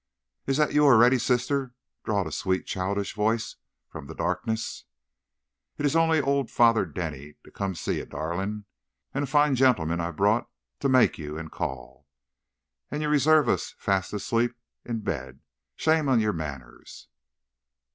"Is that you already, sister?" drawled a sweet, childish voice from the darkness. "It's only ould Father Denny come to see ye, darlin'; and a foine gentleman I've brought to make ye a gr r and call. And ye resaves us fast aslape in bed! Shame on yez manners!"